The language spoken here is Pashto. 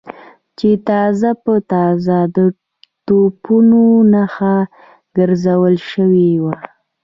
چې تازه په تازه د توپونو نښه ګرځول شوي و.